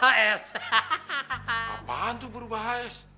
apaan tuh burba h s